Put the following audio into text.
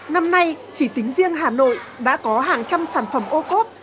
năm nay chỉ tính riêng hà nội đã có hàng trăm sản phẩm ô cốp